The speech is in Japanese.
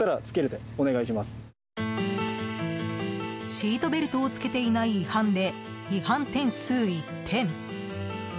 シートベルトをつけていない違反で違反点数１点。